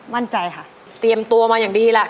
มั่นใจค่ะเตรียมตัวมาอย่างดีล่ะ